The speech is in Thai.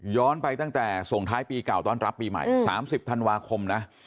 ไปตั้งแต่ส่งท้ายปีเก่าต้อนรับปีใหม่๓๐ธันวาคมนะ